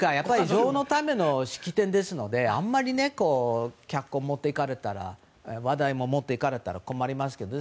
女王のための式典ですのであんまり脚光を持っていかれたら話題も持っていかれたら困りますけど。